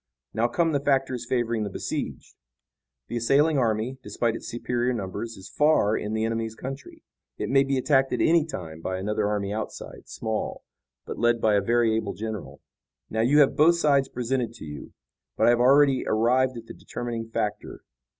Now come the factors favoring the besieged. The assailing army, despite its superior numbers, is far in the enemy's country. It may be attacked at any time by another army outside, small, but led by a very able general. Now, you have both sides presented to you, but I have already arrived at the determining factor.